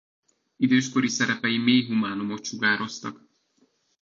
Időskori szerepei mély humánumot sugároztak.